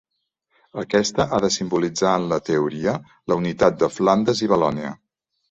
Aquesta ha de simbolitzar en la teoria la unitat de Flandes i Valònia.